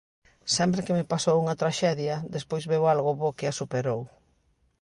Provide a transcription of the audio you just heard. Sempre que me pasou unha traxedia despois veu algo bo que a superou.